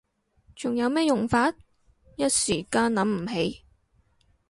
仲有咩用法？一時間諗唔起